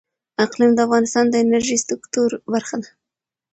اقلیم د افغانستان د انرژۍ سکتور برخه ده.